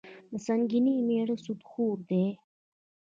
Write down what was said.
د سنګینې میړه سودخور دي.